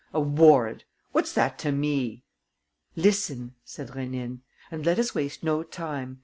A warrant! What's that to me?" "Listen," said Rénine, "and let us waste no time.